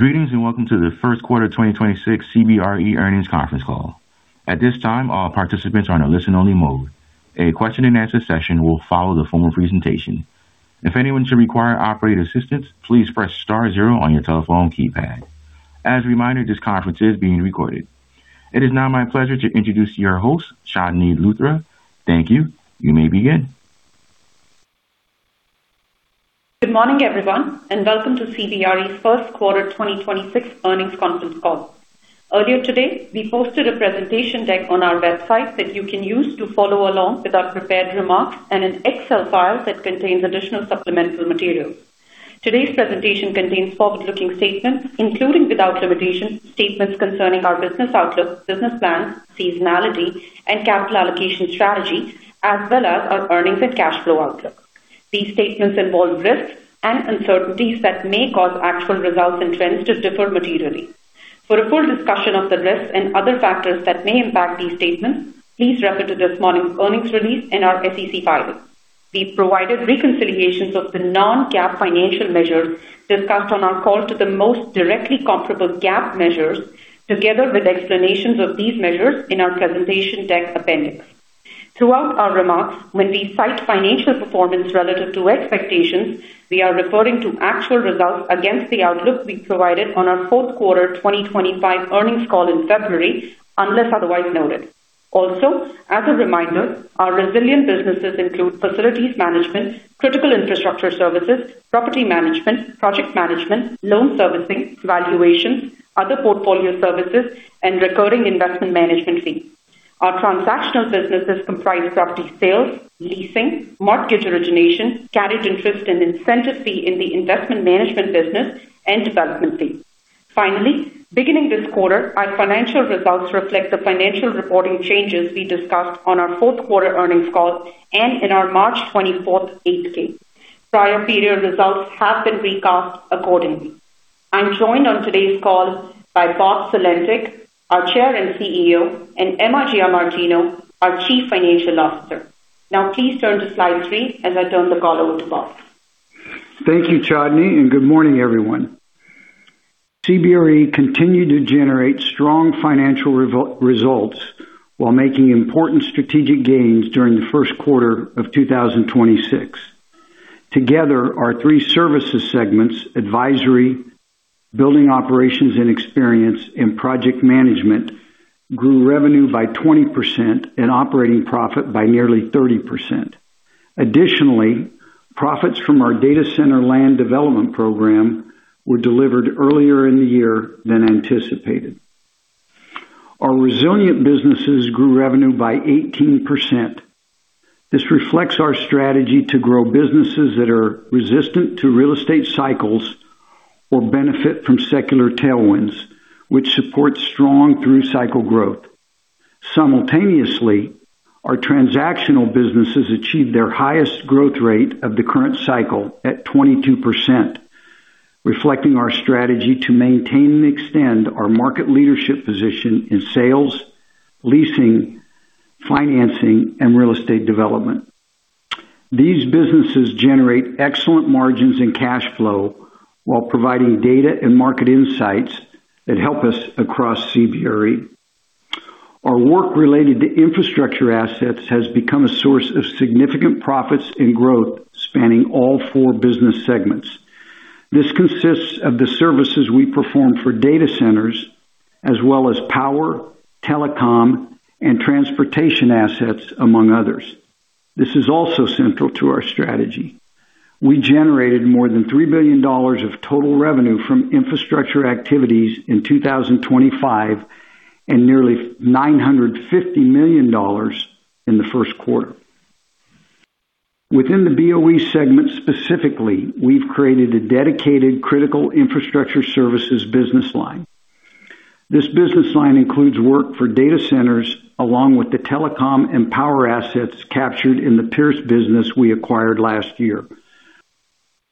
Greetings, and welcome to the First Quarter 2026 CBRE Earnings Conference Call. At this time, all participants are on a listen-only mode. A question and answer session will follow the formal presentation. If anyone should require operator assistance, please press star zero on your telephone keypad. As a reminder, this conference is being recorded. It is now my pleasure to introduce your host, Chandni Luthra. Thank you. You may begin. Good morning, everyone, and welcome to CBRE's First Quarter 2026 Earnings Conference Call. Earlier today, we posted a presentation deck on our website that you can use to follow along with our prepared remarks, and an Excel file that contains additional supplemental material. Today's presentation contains forward-looking statements, including, without limitation, statements concerning our business outlook, business plan, seasonality, and capital allocation strategy, as well as our earnings and cash flow outlook. These statements involve risks and uncertainties that may cause actual results and trends to differ materially. For a full discussion of the risks and other factors that may impact these statements, please refer to this morning's earnings release and our SEC filings. We've provided reconciliations of the non-GAAP financial measures discussed on our call to the most directly comparable GAAP measures, together with explanations of these measures in our presentation deck appendix. Throughout our remarks, when we cite financial performance relative to expectations, we are referring to actual results against the outlook we provided on our fourth quarter 2025 earnings call in February, unless otherwise noted. Also, as a reminder, our resilient businesses include facilities management, critical infrastructure services, property management, project management, loan servicing, valuations, other portfolio services, and recurring investment management fees. Our transactional businesses comprise property sales, leasing, mortgage origination, carried interest, and incentive fee in the investment management business and development fees. Finally, beginning this quarter, our financial results reflect the financial reporting changes we discussed on our fourth quarter earnings call and in our March 24th 8-K. Prior period results have been recast accordingly. I'm joined on today's call by Bob Sulentic, our Chair and CEO, and Emma Giamartino, our Chief Financial Officer. Now please turn to slide three as I turn the call over to Bob. Thank you, Chandni, and good morning, everyone. CBRE continued to generate strong financial results while making important strategic gains during the first quarter of 2026. Together, our three services segments, advisory, building operations and experience, and project management, grew revenue by 20% and operating profit by nearly 30%. Additionally, profits from our data center land development program were delivered earlier in the year than anticipated. Our resilient businesses grew revenue by 18%. This reflects our strategy to grow businesses that are resistant to real estate cycles or benefit from secular tailwinds, which support strong through cycle growth. Simultaneously, our transactional businesses achieved their highest growth rate of the current cycle at 22%, reflecting our strategy to maintain and extend our market leadership position in sales, leasing, financing, and real estate development. These businesses generate excellent margins and cash flow while providing data and market insights that help us across CBRE. Our work related to infrastructure assets has become a source of significant profits and growth spanning all four business segments. This consists of the services we perform for data centers as well as power, telecom, and transportation assets, among others. This is also central to our strategy. We generated more than $3 billion of total revenue from infrastructure activities in 2025 and nearly $950 million in the first quarter. Within the BOE segment specifically, we've created a dedicated critical infrastructure services business line. This business line includes work for data centers along with the telecom and power assets captured in the Pearce business we acquired last year.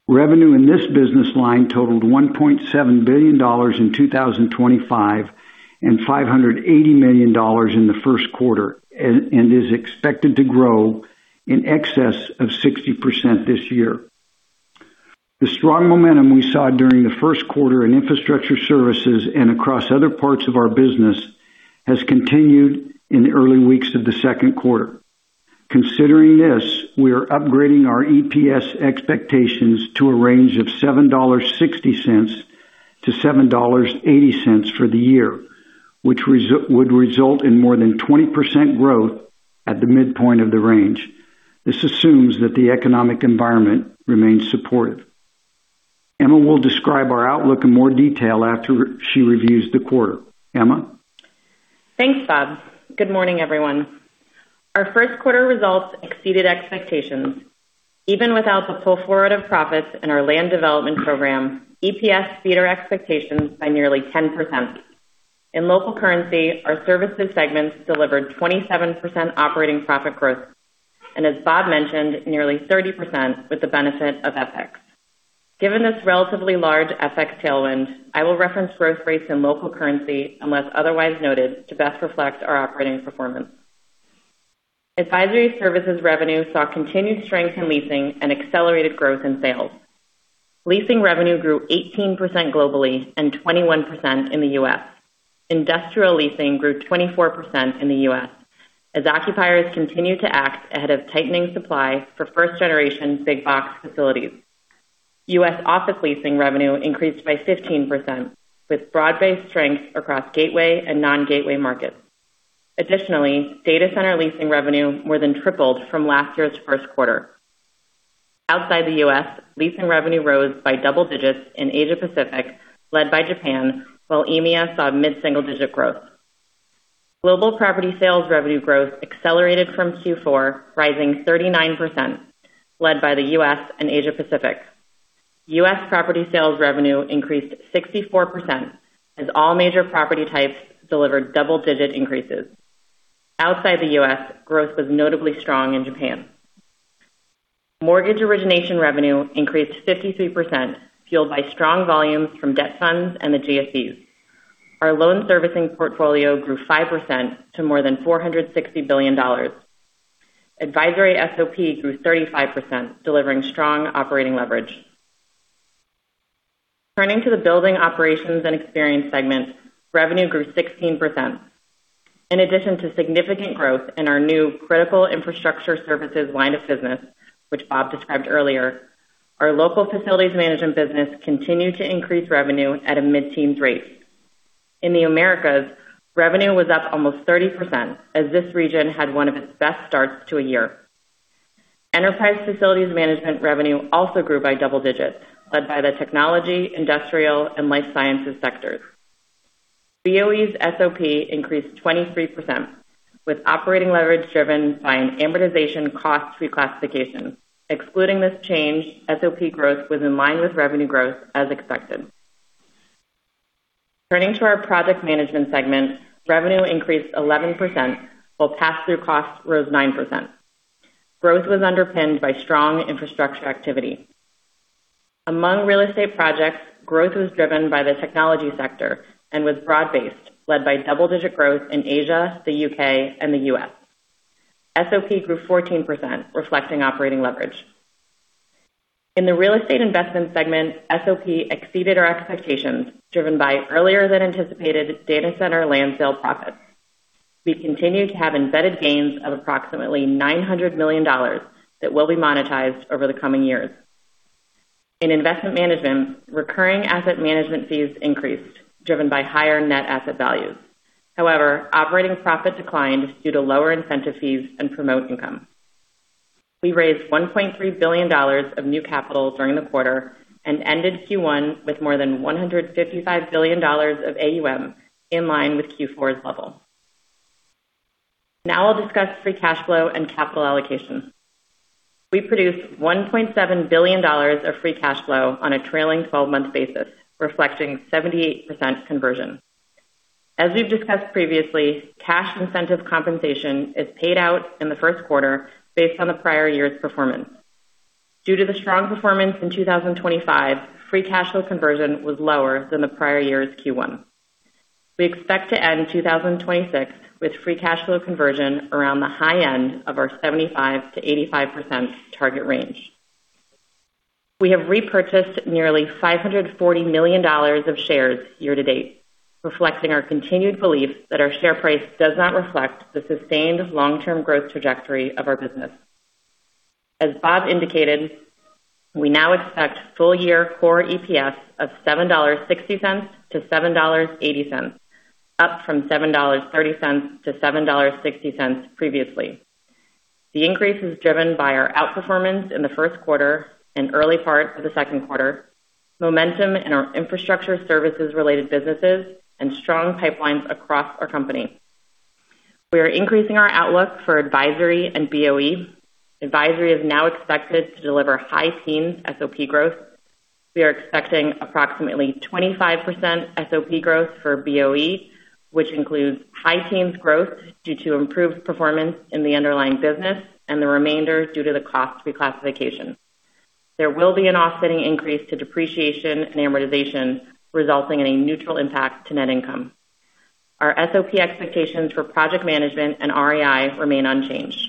Revenue in this business line totaled $1.7 billion in 2025 and $580 million in the first quarter, and is expected to grow in excess of 60% this year. The strong momentum we saw during the first quarter in infrastructure services and across other parts of our business has continued in the early weeks of the second quarter. Considering this, we are upgrading our EPS expectations to a range of $7.60-$7.80 for the year, which would result in more than 20% growth at the midpoint of the range. This assumes that the economic environment remains supportive. Emma will describe our outlook in more detail after she reviews the quarter. Emma? Thanks, Bob. Good morning, everyone. Our first quarter results exceeded expectations. Even without the pull-forward of profits in our land development program, EPS beat our expectations by nearly 10%. In local currency, our services segments delivered 27% operating profit growth, and as Bob mentioned, nearly 30% with the benefit of FX. Given this relatively large FX tailwind, I will reference growth rates in local currency unless otherwise noted, to best reflect our operating performance. Advisory services revenue saw continued strength in leasing and accelerated growth in sales. Leasing revenue grew 18% globally and 21% in the U.S. Industrial leasing grew 24% in the U.S. As occupiers continue to act ahead of tightening supply for first generation big box facilities. U.S. office leasing revenue increased by 15%, with broad-based strength across gateway and non-gateway markets. Additionally, data center leasing revenue more than tripled from last year's first quarter. Outside the U.S., leasing revenue rose by double digits in Asia Pacific, led by Japan, while EMEA saw mid-single digit growth. Global property sales revenue growth accelerated from Q4, rising 39%, led by the U.S. and Asia Pacific. U.S. property sales revenue increased 64%, as all major property types delivered double digit increases. Outside the U.S., growth was notably strong in Japan. Mortgage origination revenue increased 53%, fueled by strong volumes from debt funds and the GSEs. Our loan servicing portfolio grew 5% to more than $460 billion. Advisory SOP grew 35%, delivering strong operating leverage. Turning to the building operations and experience segment, revenue grew 16%. In addition to significant growth in our new critical infrastructure services line of business, which Bob described earlier, our local facilities management business continued to increase revenue at a mid-teens rate. In the Americas, revenue was up almost 30%, as this region had one of its best starts to a year. Enterprise facilities management revenue also grew by double digits, led by the technology, industrial, and life sciences sectors. BOE's SOP increased 23%, with operating leverage driven by an amortization cost reclassification. Excluding this change, SOP growth was in line with revenue growth as expected. Turning to our project management segment, revenue increased 11%, while pass-through costs rose 9%. Growth was underpinned by strong infrastructure activity. Among real estate projects, growth was driven by the technology sector and was broad-based, led by double-digit growth in Asia, the U.K., and the U.S. SOP grew 14%, reflecting operating leverage. In the real estate investment segment, SOP exceeded our expectations, driven by earlier than anticipated data center land sale profits. We continue to have embedded gains of approximately $900 million that will be monetized over the coming years. In investment management, recurring asset management fees increased, driven by higher net asset values. However, operating profit declined due to lower incentive fees and promote income. We raised $1.3 billion of new capital during the quarter and ended Q1 with more than $155 billion of AUM, in line with Q4's level. Now I'll discuss free cash flow and capital allocation. We produced $1.7 billion of free cash flow on a trailing 12-month basis, reflecting 78% conversion. As we've discussed previously, cash incentive compensation is paid out in the first quarter based on the prior year's performance. Due to the strong performance in 2025, free cash flow conversion was lower than the prior year's Q1. We expect to end 2026 with free cash flow conversion around the high end of our 75%-85% target range. We have repurchased nearly $540 million of shares year to date, reflecting our continued belief that our share price does not reflect the sustained long-term growth trajectory of our business. As Bob indicated, we now expect full year Core EPS of $7.60-$7.80, up from $7.30-$7.60 previously. The increase is driven by our outperformance in the first quarter and early parts of the second quarter, momentum in our infrastructure services related businesses, and strong pipelines across our company. We are increasing our outlook for advisory and BOE. Advisory is now expected to deliver high teens SOP growth. We are expecting approximately 25% SOP growth for BOE, which includes high teens growth due to improved performance in the underlying business and the remainder due to the cost reclassification. There will be an offsetting increase to depreciation and amortization, resulting in a neutral impact to net income. Our SOP expectations for project management and REI remain unchanged.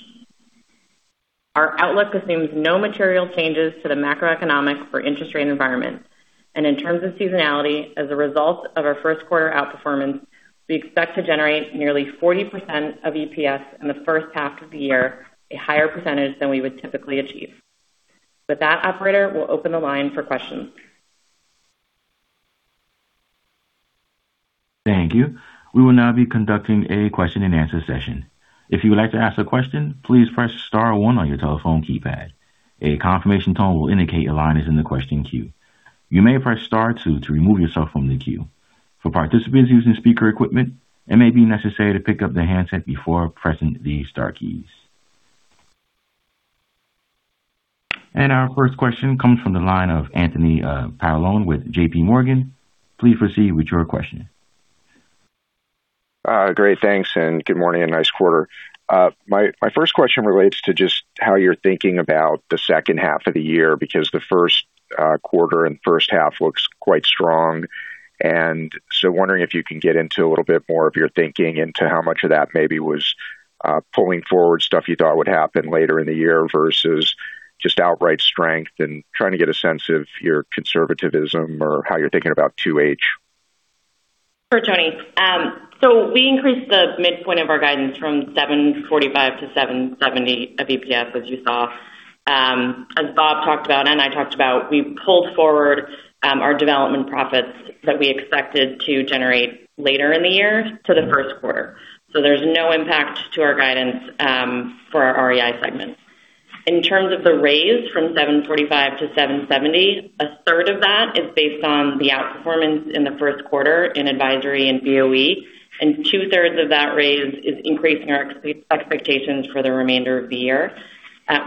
Our outlook assumes no material changes to the macroeconomics for the interest rate environment, and in terms of seasonality, as a result of our first quarter outperformance, we expect to generate nearly 40% of EPS in the first half of the year, a higher percentage than we would typically achieve. With that, Operator, we'll open the line for questions. Thank you. We will now be conducting a question and answer session. If you would like to ask a question, please press one on your telephone keypad. A confirmation tone will indicate your line is in the question queue. You may press two to remove yourself from the queue. For participants using speaker equipment, it may be necessary to pick up the handset before pressing the star keys. Our first question comes from the line of Anthony Paolone with JPMorgan. Please proceed with your question. Great. Thanks, and good morning and nice quarter. My first question relates to just how you're thinking about the second half of the year because the first quarter and first half looks quite strong. Wondering if you can get into a little bit more of your thinking into how much of that maybe was pulling forward stuff you thought would happen later in the year versus just outright strength and trying to get a sense of your conservatism or how you're thinking about 2H? Sure, Tony. We increased the midpoint of our guidance from 745 to 770 of EPS, as you saw. As Bob talked about and I talked about, we pulled forward our development profits that we expected to generate later in the year to the first quarter. There's no impact to our guidance for our REI segment. In terms of the raise from 745 to 770, a third of that is based on the outperformance in the first quarter in advisory and BOE, and two-thirds of that raise is increasing our expectations for the remainder of the year.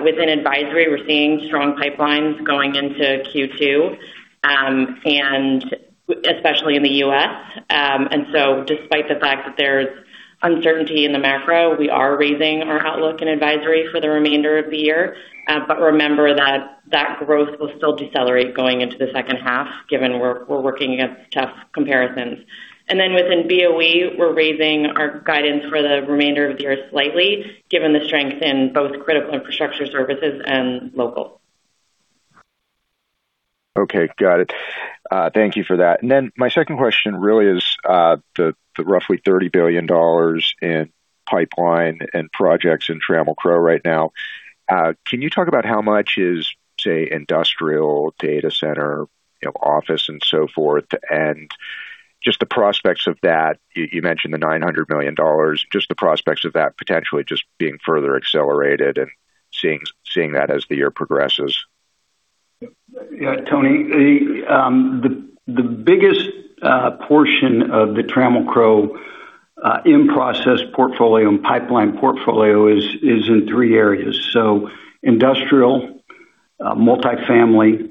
Within advisory, we're seeing strong pipelines going into Q2, and especially in the U.S. Despite the fact that there's uncertainty in the macro, we are raising our outlook and advisory for the remainder of the year. Remember that growth will still decelerate going into the second half given we're working against tough comparisons. Then within BOE, we're raising our guidance for the remainder of the year slightly given the strength in both critical infrastructure services and local. Okay, got it. Thank you for that. My second question really is the roughly $30 billion in pipeline and projects in Trammell Crow right now. Can you talk about how much is, say, industrial data center, office and so forth, and just the prospects of that? You mentioned the $900 million, just the prospects of that potentially just being further accelerated and seeing that as the year progresses. Yeah, Tony. The biggest portion of the Trammell Crow in-process portfolio and pipeline portfolio is in three areas. Industrial, multifamily,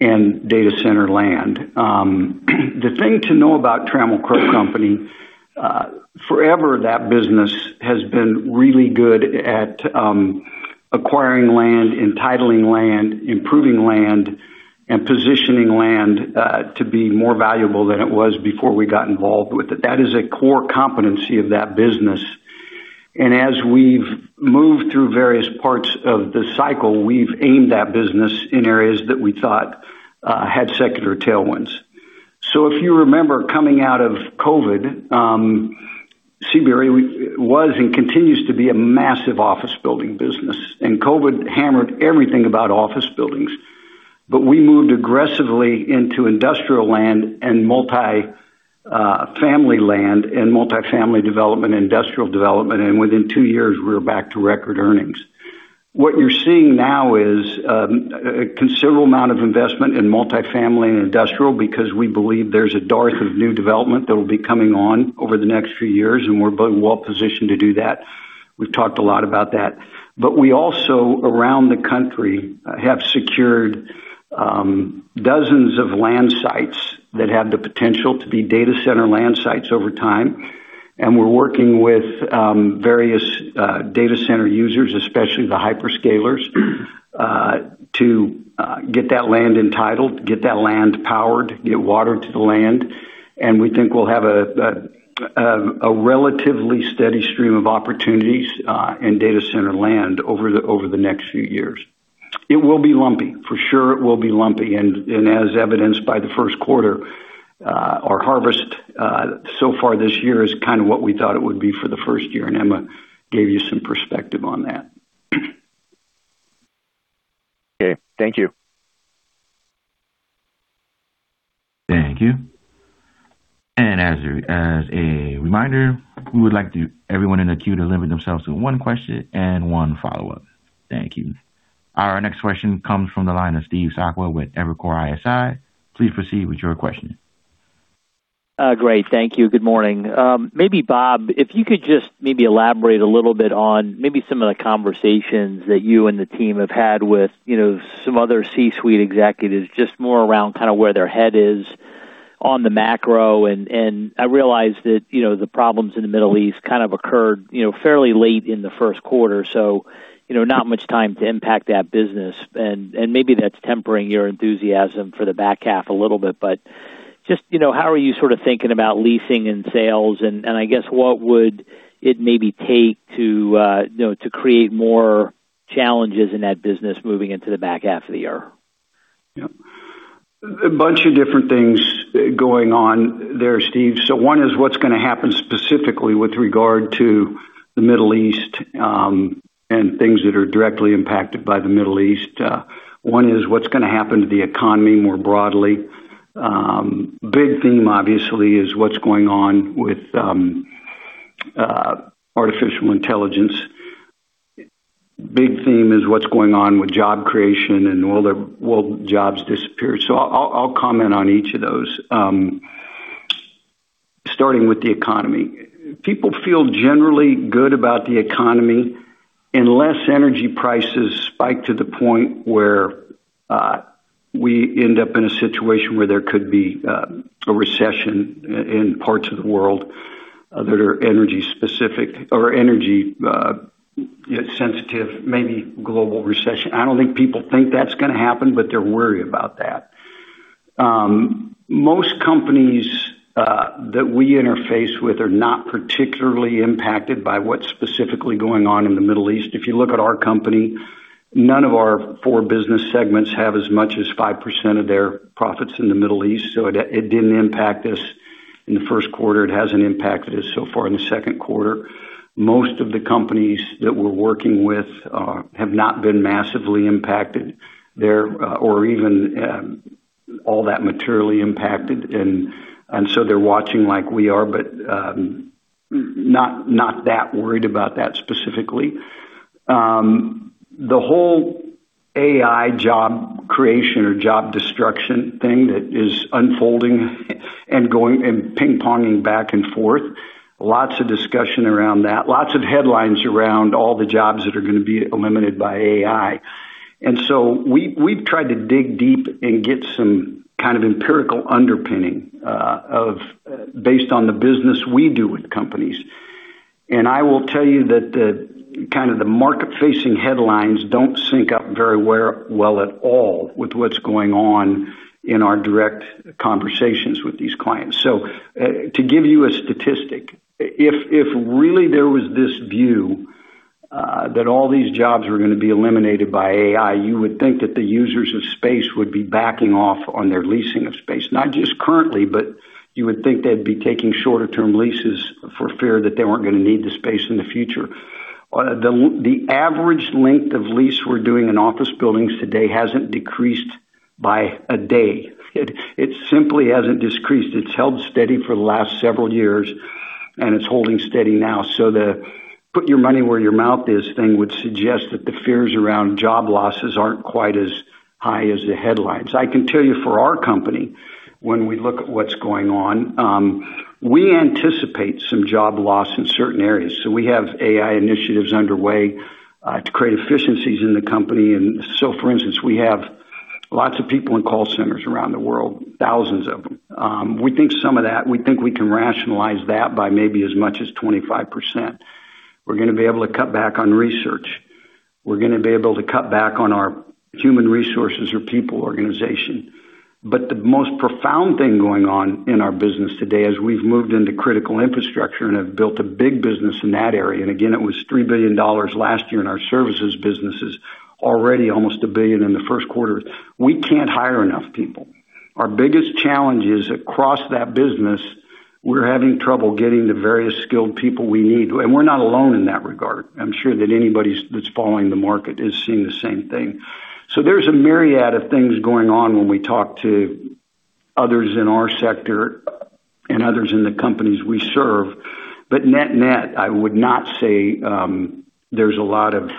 and data center land. The thing to know about Trammell Crow Company, forever that business has been really good at acquiring land, entitling land, improving land, and positioning land to be more valuable than it was before we got involved with it. That is a core competency of that business. As we've moved through various parts of the cycle, we've aimed that business in areas that we thought had secular tailwinds. If you remember, coming out of COVID, CBRE was and continues to be a massive office building business, and COVID hammered everything about office buildings. We moved aggressively into industrial land and multifamily land and multifamily development and industrial development, and within two years we were back to record earnings. What you're seeing now is a considerable amount of investment in multifamily and industrial because we believe there's a dearth of new development that will be coming on over the next few years, and we're well positioned to do that. We've talked a lot about that. We also, around the country, have secured dozens of land sites that have the potential to be data center land sites over time, and we're working with various data center users, especially the hyperscalers, to get that land entitled, get that land powered, get water to the land, and we think we'll have a relatively steady stream of opportunities in data center land over the next few years. It will be lumpy. For sure, it will be lumpy, and as evidenced by the first quarter, our harvest so far this year is kind of what we thought it would be for the first year, and Emma gave you some perspective on that. Okay. Thank you. Thank you. As a reminder, we would like everyone in the queue to limit themselves to one question and one follow-up. Thank you. Our next question comes from the line of Steve Sakwa with Evercore ISI. Please proceed with your question. Great, thank you. Good morning. Maybe Bob, if you could just maybe elaborate a little bit on maybe some of the conversations that you and the team have had with some other C-suite executives, just more around kind of where their head is on the macro. I realize that the problems in the Middle East kind of occurred fairly late in the first quarter, so not much time to impact that business. Maybe that's tempering your enthusiasm for the back half a little bit. Just how are you sort of thinking about leasing and sales, and I guess what would it maybe take to create more challenges in that business moving into the back half of the year? Yeah. A bunch of different things going on there, Steve. One is what's going to happen specifically with regard to the Middle East, and things that are directly impacted by the Middle East. One is what's going to happen to the economy more broadly. Big theme, obviously, is what's going on with artificial intelligence. Big theme is what's going on with job creation and will jobs disappear? I'll comment on each of those, starting with the economy. People feel generally good about the economy unless energy prices spike to the point where we end up in a situation where there could be a recession in parts of the world that are energy specific or energy sensitive, maybe global recession. I don't think people think that's going to happen, but they're worried about that. Most companies that we interface with are not particularly impacted by what's specifically going on in the Middle East. If you look at our company, none of our four business segments have as much as 5% of their profits in the Middle East, so it didn't impact us in the first quarter. It hasn't impacted us so far in the second quarter. Most of the companies that we're working with have not been massively impacted or even all that materially impacted, and so they're watching like we are, but not that worried about that specifically. The whole AI job creation or job destruction thing that is unfolding and going and ping-ponging back and forth, lots of discussion around that. Lots of headlines around all the jobs that are going to be eliminated by AI. We've tried to dig deep and get some kind of empirical underpinning based on the business we do with companies. I will tell you that the market-facing headlines don't sync up very well at all with what's going on in our direct conversations with these clients. To give you a statistic, if really there was this view that all these jobs were going to be eliminated by AI, you would think that the users of space would be backing off on their leasing of space. Not just currently, but you would think they'd be taking shorter term leases for fear that they weren't going to need the space in the future. The average length of lease we're doing in office buildings today hasn't decreased by a day. It simply hasn't decreased. It's held steady for the last several years, and it's holding steady now. The put your money where your mouth is thing would suggest that the fears around job losses aren't quite as high as the headlines. I can tell you for our company, when we look at what's going on, we anticipate some job loss in certain areas. We have AI initiatives underway to create efficiencies in the company. For instance, we have lots of people in call centers around the world, thousands of them. We think some of that we can rationalize that by maybe as much as 25%. We're going to be able to cut back on research. We're going to be able to cut back on our human resources or people organization. The most profound thing going on in our business today, as we've moved into critical infrastructure and have built a big business in that area, and again, it was $3 billion last year in our services businesses, already almost a billion in the first quarter. We can't hire enough people. Our biggest challenge is across that business, we're having trouble getting the various skilled people we need. We're not alone in that regard. I'm sure that anybody that's following the market is seeing the same thing. There's a myriad of things going on when we talk to others in our sector and others in the companies we serve. Net-net, I would not say there's a lot of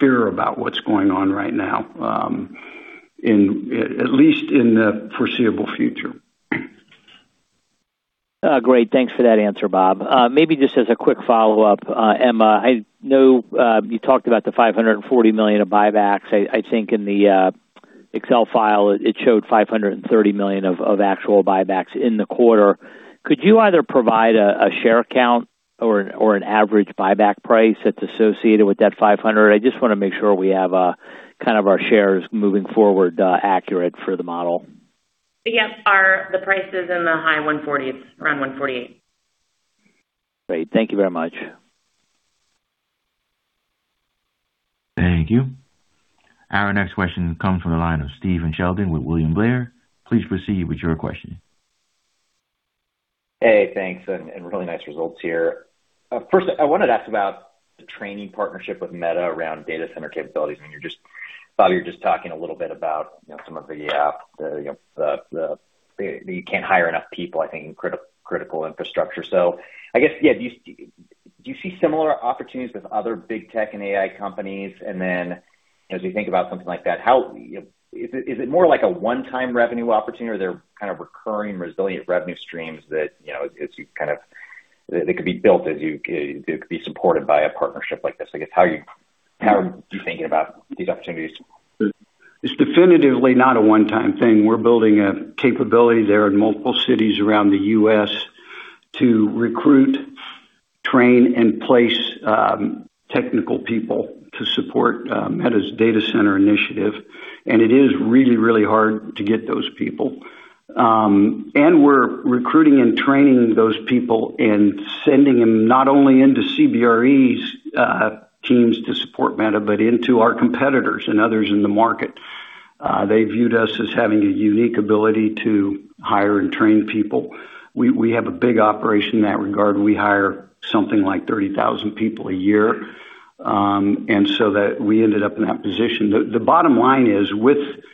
fear about what's going on right now, at least in the foreseeable future. Great. Thanks for that answer, Bob. Maybe just as a quick follow-up, Emma, I know you talked about the $540 million of buybacks. I think in the Excel file, it showed $530 million of actual buybacks in the quarter. Could you either provide a share count or an average buyback price that's associated with that $500 million? I just want to make sure we have our shares moving forward accurate for the model. Yes. The price is in the high $140s, around $148. Great. Thank you very much. Thank you. Our next question comes from the line of Stephen Sheldon with William Blair. Please proceed with your question. Hey, thanks, and really nice results here. First, I wanted to ask about the training partnership with Meta around data center capabilities. Bob, you were just talking a little bit about some of the, you can't hire enough people, I think, in critical infrastructure. I guess, yeah, do you see similar opportunities with other big tech and AI companies? And then as we think about something like that, is it more like a one-time revenue opportunity or they're kind of recurring resilient revenue streams that could be built as you could be supported by a partnership like this? I guess, how are you thinking about these opportunities? It's definitely not a one-time thing. We're building a capability there in multiple cities around the U.S. to recruit, train, and place technical people to support Meta's data center initiative. It is really, really hard to get those people. We're recruiting and training those people and sending them not only into CBRE's teams to support Meta, but into our competitors and others in the market. They viewed us as having a unique ability to hire and train people. We have a big operation in that regard. We hire something like 30,000 people a year. That we ended up in that position. The bottom line is, with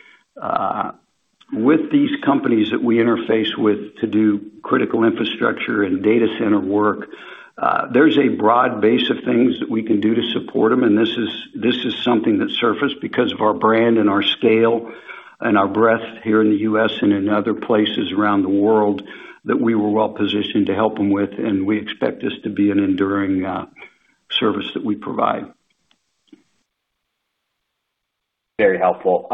these companies that we interface with to do critical infrastructure and data center work, there's a broad base of things that we can do to support them, and this is something that surfaced because of our brand and our scale and our breadth here in the U.S. and in other places around the world that we were well positioned to help them with, and we expect this to be an enduring service that we provide. Very helpful.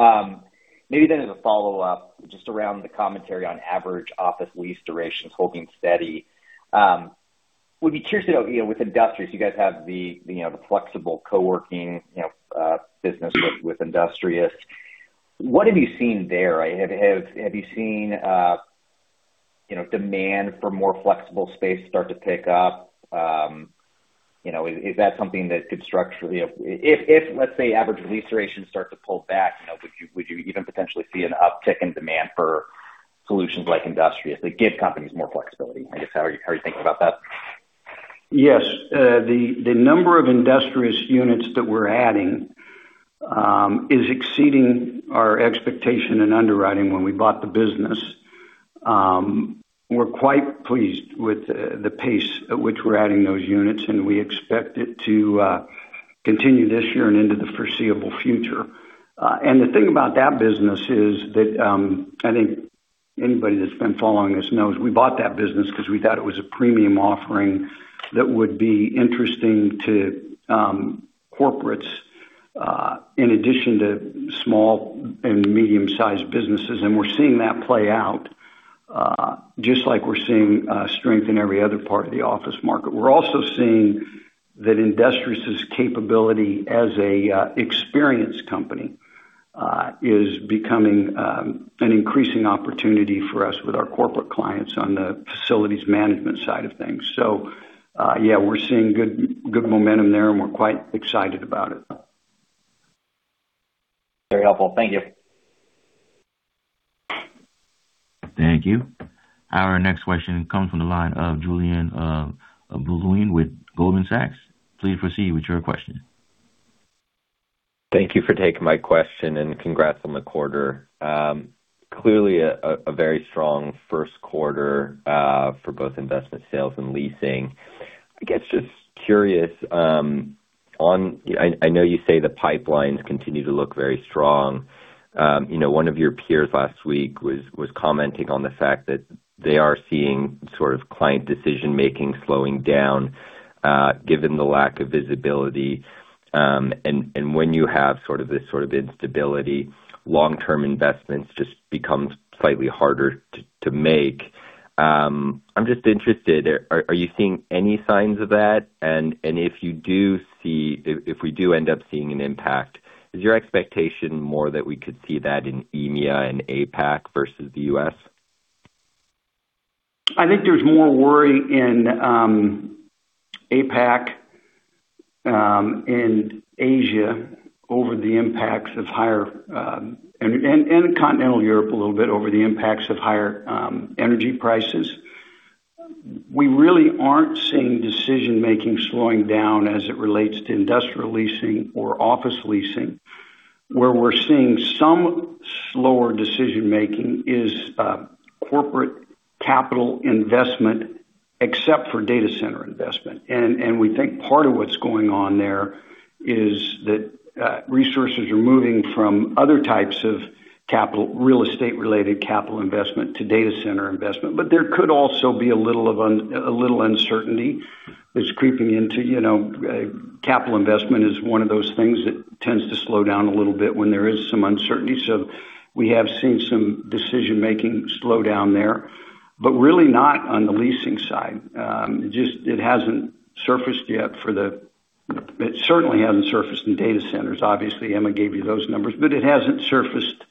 Maybe then as a follow-up, just around the commentary on average office lease durations holding steady. I would be curious, with Industrious, you guys have the flexible co-working business with Industrious, what have you seen there? Have you seen demand for more flexible space start to pick up? Is that something that could structurally if, let's say, average lease duration start to pull back, would you even potentially see an uptick in demand for solutions like Industrious that give companies more flexibility? I guess, how are you thinking about that? Yes. The number of Industrious units that we're adding is exceeding our expectation in underwriting when we bought the business. We're quite pleased with the pace at which we're adding those units, and we expect it to continue this year and into the foreseeable future. The thing about that business is that, I think anybody that's been following us knows we bought that business because we thought it was a premium offering that would be interesting to corporates, in addition to small and medium-sized businesses. We're seeing that play out, just like we're seeing strength in every other part of the office market. We're also seeing that Industrious' capability as an experience company is becoming an increasing opportunity for us with our corporate clients on the facilities management side of things. Yeah, we're seeing good momentum there, and we're quite excited about it. Very helpful. Thank you. Thank you. Our next question comes from the line of Julien Blouin with Goldman Sachs. Please proceed with your question. Thank you for taking my question, and congrats on the quarter. Clearly a very strong first quarter, for both investment sales and leasing. I guess, just curious, I know you say the pipelines continue to look very strong. One of your peers last week was commenting on the fact that they are seeing sort of client decision-making slowing down, given the lack of visibility. When you have this sort of instability, long-term investments just become slightly harder to make. I'm just interested, are you seeing any signs of that? If we do end up seeing an impact, is your expectation more that we could see that in EMEA and APAC versus the U.S.? I think there's more worry in APAC and Asia, and in continental Europe a little bit over the impacts of higher energy prices. We really aren't seeing decision-making slowing down as it relates to industrial leasing or office leasing. Where we're seeing some slower decision-making is corporate capital investment, except for data center investment. We think part of what's going on there is that resources are moving from other types of real estate-related capital investment to data center investment. But there could also be a little uncertainty that's creeping into capital investment. Capital investment is one of those things that tends to slow down a little bit when there is some uncertainty. We have seen some decision-making slow down there, but really not on the leasing side. It hasn't surfaced yet. It certainly hasn't surfaced in data centers. Obviously, Emma gave you those numbers. It hasn't surfaced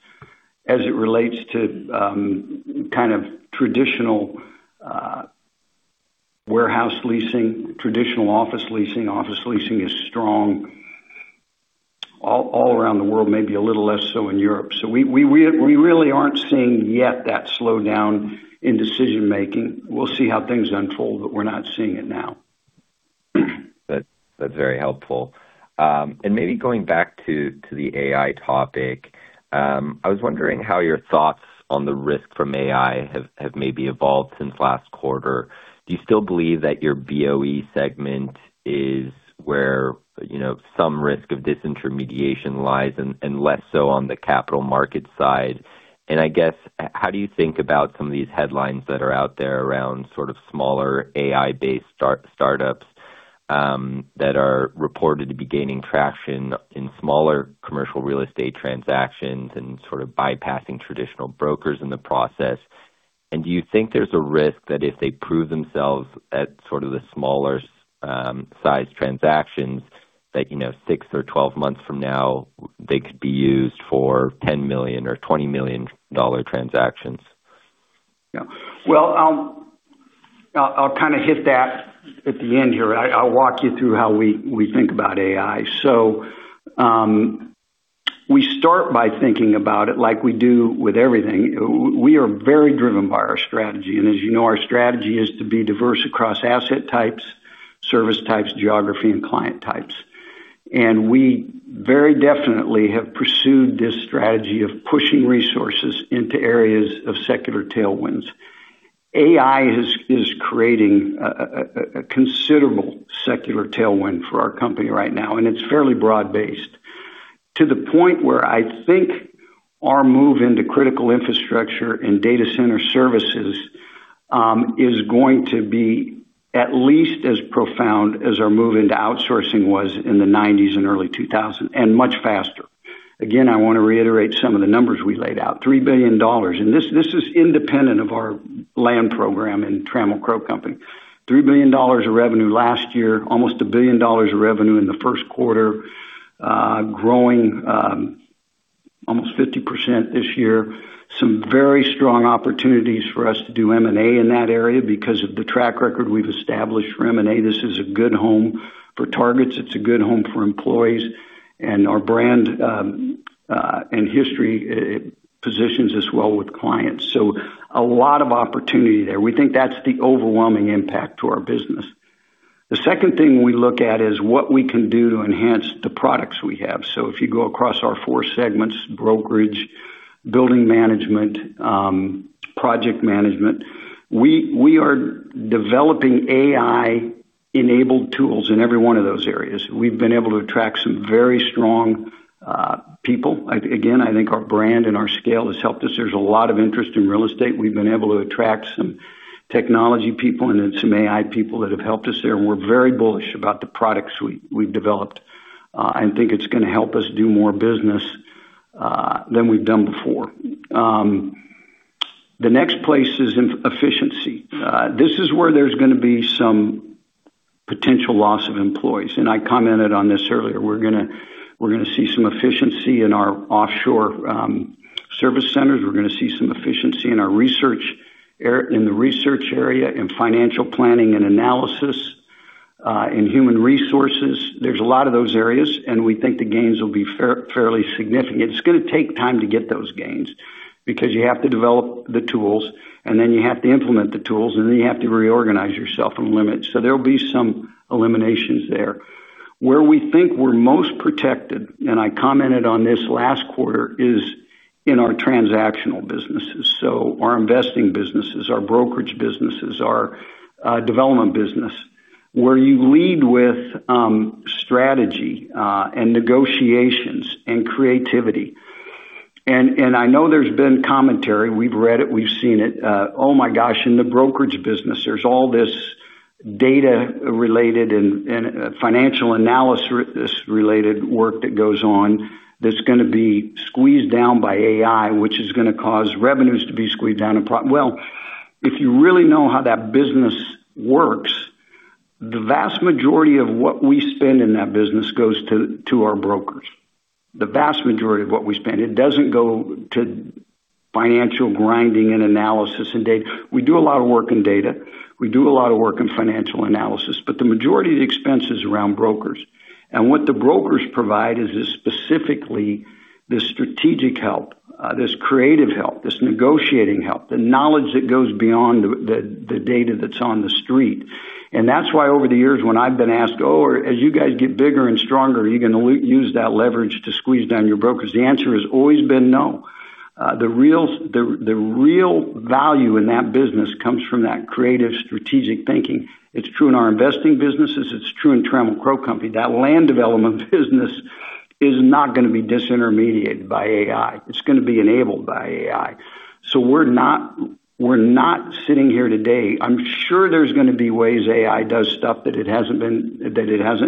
as it relates to kind of traditional warehouse leasing, traditional office leasing. Office leasing is strong all around the world, maybe a little less so in Europe. We really aren't seeing yet that slowdown in decision-making. We'll see how things unfold, but we're not seeing it now. That's very helpful. Maybe going back to the AI topic, I was wondering how your thoughts on the risk from AI have maybe evolved since last quarter. Do you still believe that your BOE segment is where some risk of disintermediation lies and less so on the capital market side? I guess, how do you think about some of these headlines that are out there around sort of smaller AI-based startups, that are reported to be gaining traction in smaller commercial real estate transactions and sort of bypassing traditional brokers in the process? Do you think there's a risk that if they prove themselves at sort of the smaller size transactions that six or 12 months from now, they could be used for $10 million or $20 million transactions? Yeah. Well, I'll kind of hit that at the end here. I'll walk you through how we think about AI. We start by thinking about it like we do with everything. We are very driven by our strategy, and as you know, our strategy is to be diverse across asset types, service types, geography, and client types. We very definitely have pursued this strategy of pushing resources into areas of secular tailwinds. AI is creating a considerable secular tailwind for our company right now, and it's fairly broad-based, to the point where I think our move into critical infrastructure and data center services is going to be at least as profound as our move into outsourcing was in the 1990's and early 2000, and much faster. Again, I want to reiterate some of the numbers we laid out, $3 billion. This is independent of our land program in Trammell Crow Company. $3 billion of revenue last year, almost a billion of revenue in the first quarter, growing almost 50% this year. Some very strong opportunities for us to do M&A in that area because of the track record we've established for M&A. This is a good home for targets. It's a good home for employees, and our brand and history positions us well with clients. A lot of opportunity there. We think that's the overwhelming impact to our business. The second thing we look at is what we can do to enhance the products we have. If you go across our four segments, brokerage, building management, project management, we are developing AI-enabled tools in every one of those areas. We've been able to attract some very strong people. Again, I think our brand and our scale has helped us. There's a lot of interest in real estate. We've been able to attract some technology people and some AI people that have helped us there, and we're very bullish about the products we've developed. I think it's going to help us do more business than we've done before. The next place is in efficiency. This is where there's going to be some potential loss of employees, and I commented on this earlier. We're going to see some efficiency in our offshore service centers. We're going to see some efficiency in the research area, in financial planning and analysis, in human resources. There's a lot of those areas, and we think the gains will be fairly significant. It's going to take time to get those gains because you have to develop the tools, and then you have to implement the tools, and then you have to reorganize yourself from limits. There'll be some eliminations there. Where we think we're most protected, and I commented on this last quarter, is in our transactional businesses. Our investing businesses, our brokerage businesses, our development business, where you lead with strategy and negotiations and creativity. I know there's been commentary. We've read it, we've seen it. Oh my gosh, in the brokerage business, there's all this data-related and financial analysis-related work that goes on that's going to be squeezed down by AI, which is going to cause revenues to be squeezed down. Well, if you really know how that business works, the vast majority of what we spend in that business goes to our brokers. The vast majority of what we spend. It doesn't go to financial grinding and analysis and data. We do a lot of work in data. We do a lot of work in financial analysis, but the majority of the expense is around brokers. What the brokers provide is specifically this strategic help, this creative help, this negotiating help, the knowledge that goes beyond the data that's on the street. That's why over the years when I've been asked, "Oh, as you guys get bigger and stronger, are you going to use that leverage to squeeze down your brokers?" The answer has always been no. The real value in that business comes from that creative strategic thinking. It's true in our investing businesses. It's true in Trammell Crow Company. That land development business is not going to be disintermediated by AI. It's going to be enabled by AI. We're not sitting here today. I'm sure there's going to be ways AI does stuff that it hasn't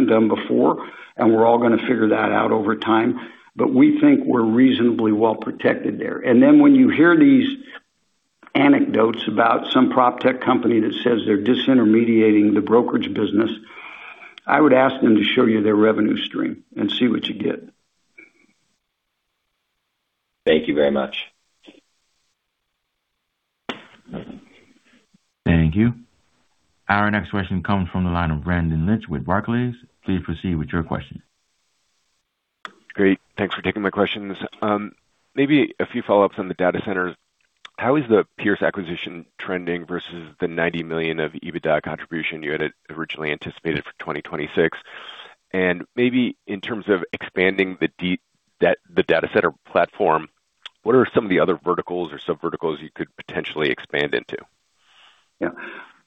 done before, and we're all going to figure that out over time, but we think we're reasonably well protected there. Then when you hear these anecdotes about some proptech company that says they're disintermediating the brokerage business, I would ask them to show you their revenue stream and see what you get. Thank you very much. Thank you. Our next question comes from the line of Brendan Lynch with Barclays. Please proceed with your question. Great. Thanks for taking my questions. Maybe a few follow-ups on the data centers. How is the Pearce acquisition trending versus the $90 million of EBITDA contribution you had originally anticipated for 2026? Maybe in terms of expanding the data center platform, what are some of the other verticals or sub-verticals you could potentially expand into? Yeah.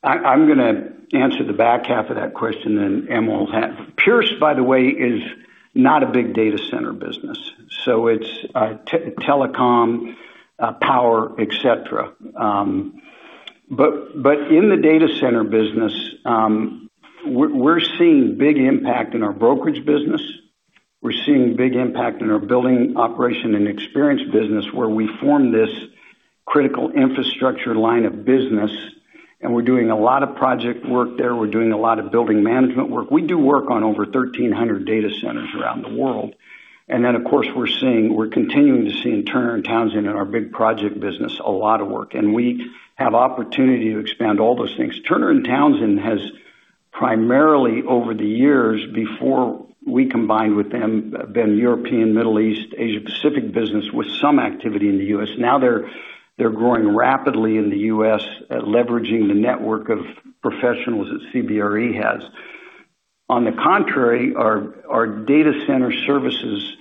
I'm gonna answer the back half of that question, then Emma. Pearce, by the way, is not a big data center business. It's telecom, power, et cetera. In the data center business, we're seeing big impact in our brokerage business. We're seeing big impact in our building operation and experience business where we form this critical infrastructure line of business, and we're doing a lot of project work there. We're doing a lot of building management work. We do work on over 1,300 data centers around the world. Of course, we're continuing to see Turner & Townsend in our big project business, a lot of work, and we have opportunity to expand all those things. Turner & Townsend has primarily, over the years before we combined with them, been European, Middle East, Asia Pacific business with some activity in the U.S. Now they're growing rapidly in the U.S., leveraging the network of professionals that CBRE has. On the contrary, our data center services,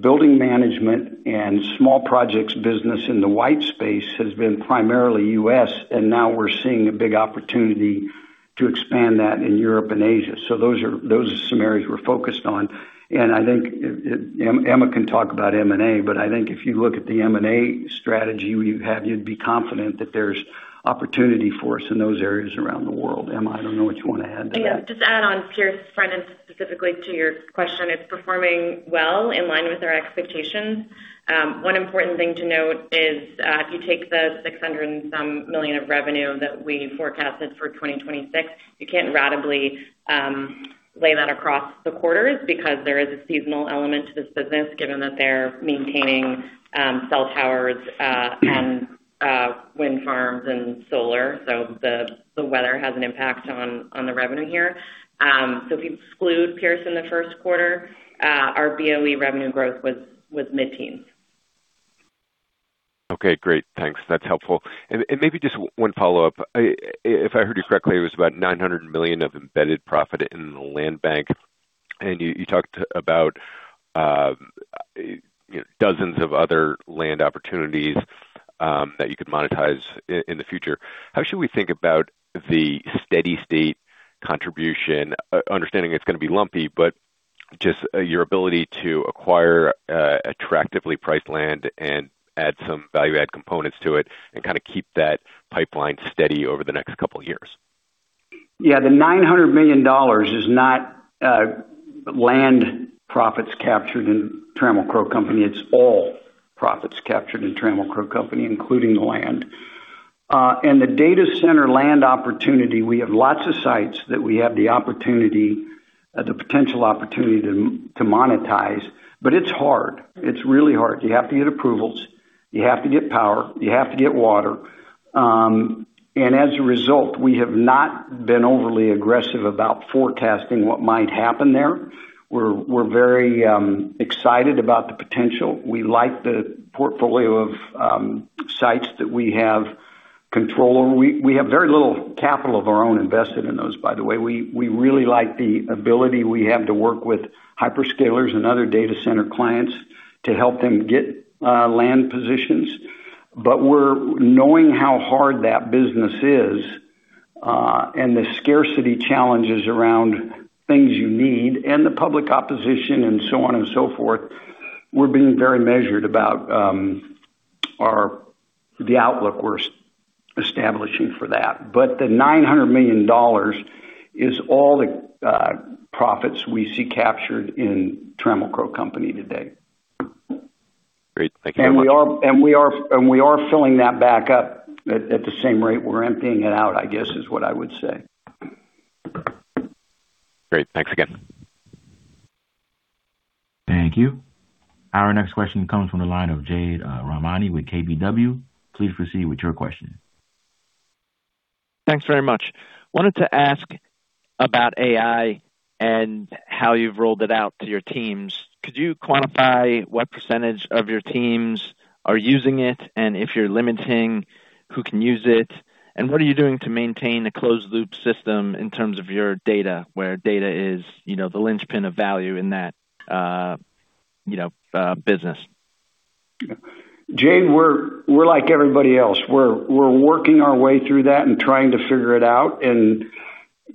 building management, and small projects business in the white space has been primarily U.S., and now we're seeing a big opportunity to expand that in Europe and Asia. Those are some areas we're focused on, and I think Emma can talk about M&A, but I think if you look at the M&A strategy you have, you'd be confident that there's opportunity for us in those areas around the world. Emma, I don't know what you want to add to that. Yeah. Just to add on, Pearce, front-end, specifically to your question, it's performing well, in line with our expectations. One important thing to note is, if you take the $600 million and some of revenue that we forecasted for 2026, you can't ratably lay that across the quarters because there is a seasonal element to this business, given that they're maintaining cell towers and wind farms and solar. So if you exclude Pearce in the first quarter, our BOE revenue growth was mid-teens. Okay, great. Thanks. That's helpful. Maybe just one follow-up. If I heard you correctly, it was about $900 million of embedded profit in the land bank. You talked about dozens of other land opportunities that you could monetize in the future. How should we think about the steady state contribution, understanding it's going to be lumpy, but just your ability to acquire attractively priced land and add some value add components to it and kind of keep that pipeline steady over the next couple of years? Yeah. The $900 million is not land profits captured in Trammell Crow Company, it's all profits captured in Trammell Crow Company, including land. The data center land opportunity, we have lots of sites that we have the opportunity, the potential opportunity to monetize. It's hard. It's really hard. You have to get approvals, you have to get power, you have to get water. As a result, we have not been overly aggressive about forecasting what might happen there. We're very excited about the potential. We like the portfolio of sites that we have control over. We have very little capital of our own invested in those, by the way. We really like the ability we have to work with hyperscalers and other data center clients to help them get land positions. Knowing how hard that business is and the scarcity challenges around things you need and the public opposition and so on and so forth, we're being very measured about the outlook we're establishing for that. The $900 million is all the profits we see captured in Trammell Crow Company today. Great. Thank you very much. We are filling that back up at the same rate we're emptying it out, I guess, is what I would say. Great. Thanks again. Thank you. Our next question comes from the line of Jade Rahmani with KBW. Please proceed with your question. Thanks very much. I wanted to ask about AI and how you've rolled it out to your teams. Could you quantify what percentage of your teams are using it, and if you're limiting who can use it? What are you doing to maintain a closed loop system in terms of your data, where data is the linchpin of value in that business? Jade, we're like everybody else. We're working our way through that and trying to figure it out.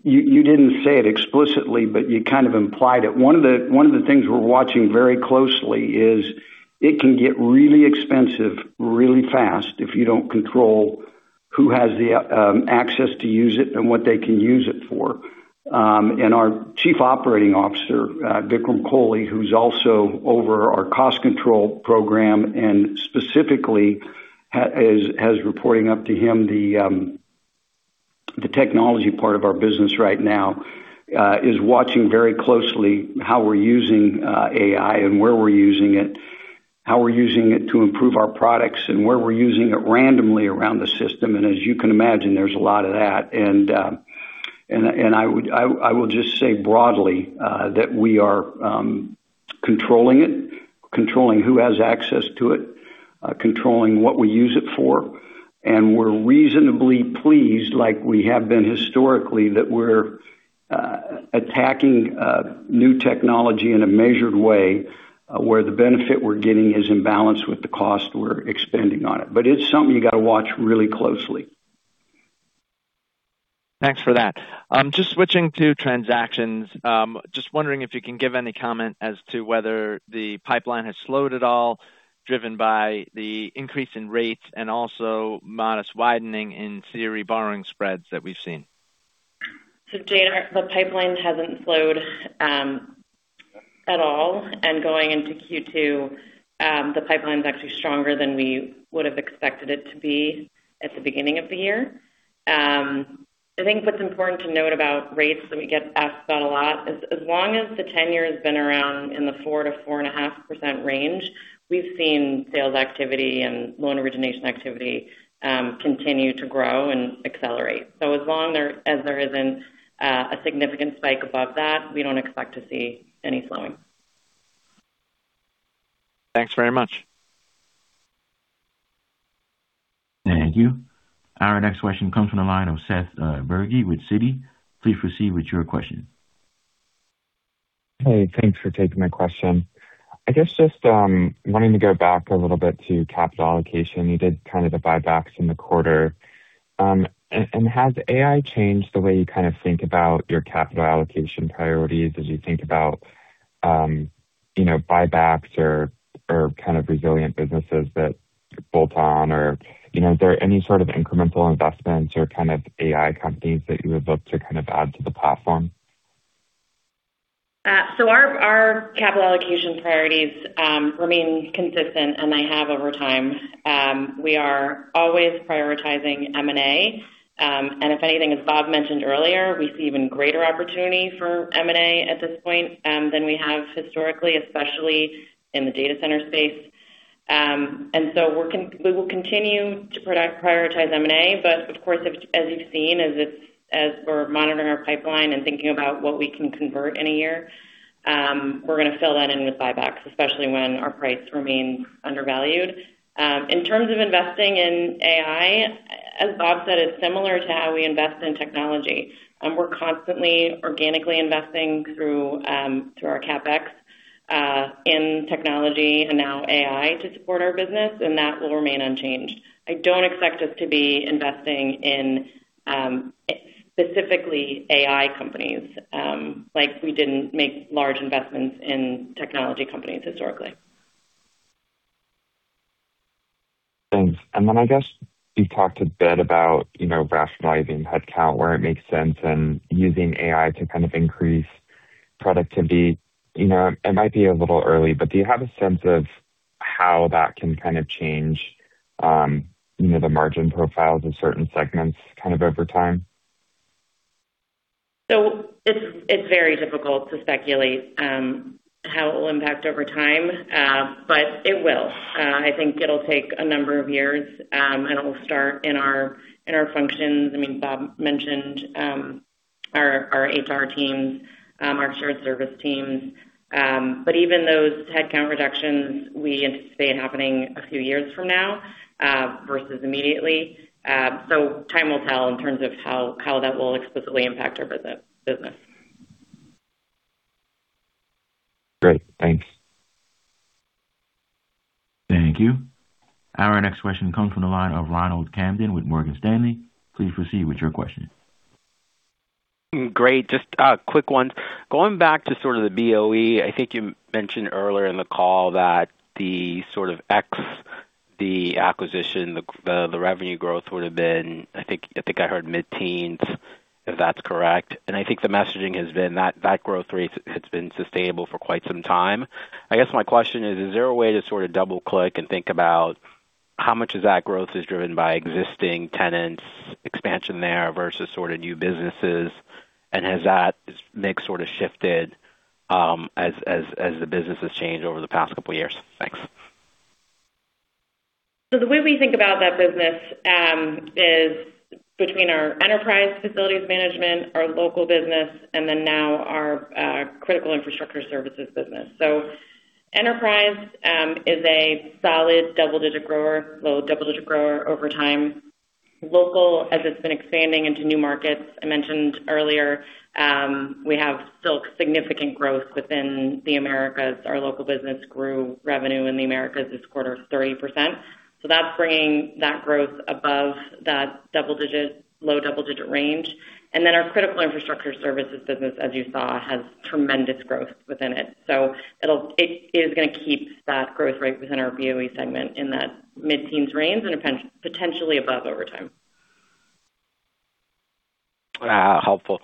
You didn't say it explicitly, but you kind of implied it. One of the things we're watching very closely is it can get really expensive, really fast if you don't control who has the access to use it and what they can use it for. Our Chief Operating Officer, Vikram Kohli, who's also over our cost control program and specifically has reporting up to him the technology part of our business right now, is watching very closely how we're using AI and where we're using it, how we're using it to improve our products, and where we're using it randomly around the system. As you can imagine, there's a lot of that. I will just say broadly, that we are controlling it, controlling who has access to it, controlling what we use it for, and we're reasonably pleased, like we have been historically, that we're attacking new technology in a measured way, where the benefit we're getting is in balance with the cost we're expending on it. It's something you got to watch really closely. Thanks for that. Just switching to transactions. Just wondering if you can give any comment as to whether the pipeline has slowed at all, driven by the increase in rates and also modest widening in the borrowing spreads that we've seen? Jade, the pipeline hasn't slowed at all. Going into Q2, the pipeline is actually stronger than we would have expected it to be at the beginning of the year. I think what's important to note about rates, and we get asked that a lot is, as long as the ten-year has been around in the 4%-4.5% range, we've seen sales activity and loan origination activity continue to grow and accelerate. As long as there isn't a significant spike above that, we don't expect to see any slowing. Thanks very much. Thank you. Our next question comes from the line of Nicholas Joseph with Citi. Please proceed with your question. Hey, thanks for taking my question. I guess just wanting to go back a little bit to capital allocation. You did the buybacks in the quarter. Has AI changed the way you think about your capital allocation priorities as you think about buybacks or resilient businesses that bolt on? Or is there any sort of incremental investments or AI companies that you would look to add to the platform? Our capital allocation priorities remain consistent, and they have over time. We are always prioritizing M&A. If anything, as Bob mentioned earlier, we see even greater opportunity for M&A at this point than we have historically, especially in the data center space. We will continue to prioritize M&A, but of course, as you've seen, as we're monitoring our pipeline and thinking about what we can convert in a year, we're going to fill that in with buybacks, especially when our price remains undervalued. In terms of investing in AI, as Bob said, it's similar to how we invest in technology. We're constantly organically investing through our CapEx in technology and now AI to support our business, and that will remain unchanged. I don't expect us to be investing in specifically AI companies, like we didn't make large investments in technology companies historically. Thanks. I guess you talked a bit about rationalizing headcount where it makes sense and using AI to increase productivity. It might be a little early, but do you have a sense of how that can change the margin profiles of certain segments over time? It's very difficult to speculate how it will impact over time, but it will. I think it'll take a number of years, and it will start in our functions. Bob mentioned our HR teams, our shared service teams. Even those headcount reductions, we anticipate happening a few years from now versus immediately. Time will tell in terms of how that will explicitly impact our business. Great. Thanks. Thank you. Our next question comes from the line of Ronald Kamdem with Morgan Stanley. Please proceed with your question. Great. Just a quick one. Going back to sort of the BOE, I think you mentioned earlier in the call that excluding the acquisition, the revenue growth would've been, I think I heard mid-teens, if that's correct. I think the messaging has been that growth rate has been sustainable for quite some time. I guess my question is there a way to sort of double-click and think about how much of that growth is driven by existing tenants, expansion there versus sort of new businesses? Has that mix shifted as the business has changed over the past couple of years? Thanks. The way we think about that business is between our enterprise facilities management, our local business, and then now our critical infrastructure services business. Enterprise is a solid double-digit grower, low double-digit grower over time. Local, as it's been expanding into new markets, I mentioned earlier, we have still significant growth within the Americas. Our local business grew revenue in the Americas this quarter 30%. That's bringing that growth above that low double-digit range. Our critical infrastructure services business, as you saw, has tremendous growth within it. It is going to keep that growth rate within our BOE segment in that mid-teens range and potentially above over time. Helpful.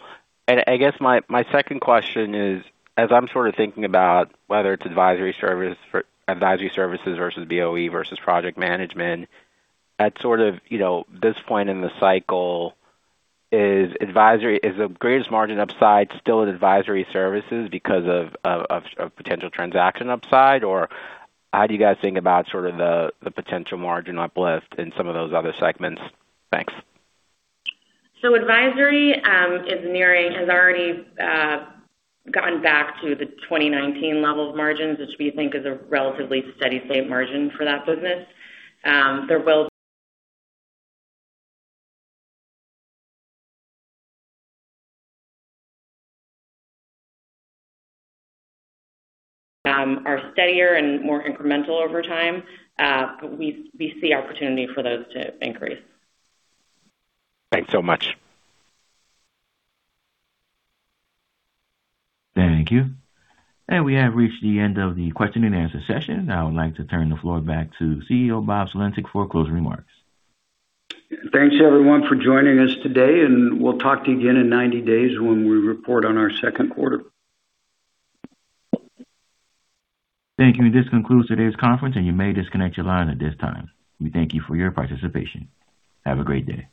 I guess my second question is, as I'm sort of thinking about whether it's advisory services versus BOE versus project management at this point in the cycle, is the greatest margin upside still at advisory services because of potential transaction upside? Or how do you guys think about the potential margin uplift in some of those other segments? Thanks. Advisory has already gone back to the 2019 level of margins, which we think is a relatively steady state margin for that business. There will be steadier and more incremental over time. We see opportunity for those to increase. Thanks so much. Thank you. We have reached the end of the question and answer session. I would like to turn the floor back to CEO Bob Sulentic for closing remarks. Thanks, everyone, for joining us today, and we'll talk to you again in 90 days when we report on our second quarter. Thank you. This concludes today's conference, and you may disconnect your line at this time. We thank you for your participation. Have a great day.